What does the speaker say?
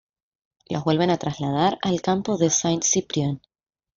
Los vuelven a trasladar al campo de Saint Cyprien.